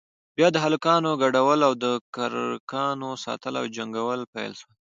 بيا د هلکانو گډول او د کرکانو ساتل او جنگول پيل سول.